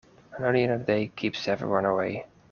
An onion a day keeps everyone away.